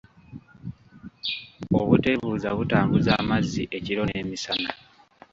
Obuteebuuza butambuza amazzi ekiro n’emisana.